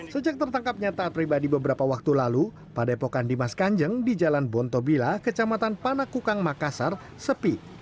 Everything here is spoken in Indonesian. sejak tertangkapnya taat pribadi beberapa waktu lalu padepokan dimas kanjeng di jalan bontobila kecamatan panakukang makassar sepi